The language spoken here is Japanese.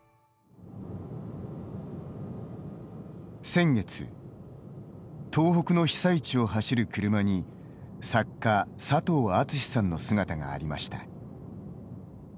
先月、東北の被災地を走る車に作家・佐藤厚志さんの姿がありました。